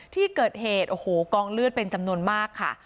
ที่เกิดเหตุโอ้โหกองเลือดเป็นจำนวนมากค่ะ